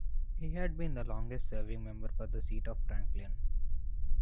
He had been the longest serving member for the seat of Franklin.